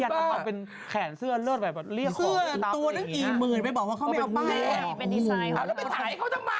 เอาแล้วไปถ่ายเขาทำไมเขาไม่ได้ให้